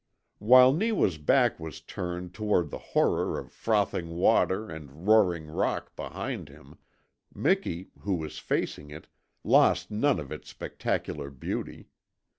While Neewa's back was turned toward the horror of frothing water and roaring rock behind him, Miki, who was facing it, lost none of its spectacular beauty.